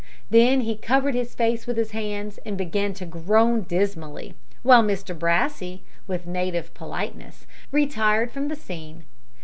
Then he covered his face with his hands, and began to groan dismally, while Mr Brassey, with native politeness, retired from the scene.